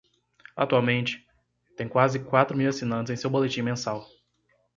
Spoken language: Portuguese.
Atualmente, tem quase quatro mil assinantes em seu boletim mensal.